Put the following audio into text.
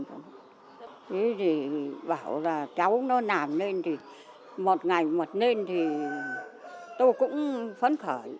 thế thì bảo là cháu nó nằm lên thì một ngày một lên thì tôi cũng phấn khởi